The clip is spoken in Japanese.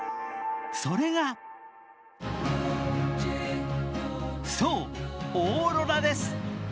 それがそう、オーロラです。